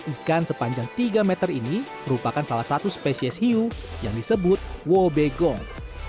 ikan sepanjang tiga meter ini merupakan salah satu spesies hiu yang disebut wobegong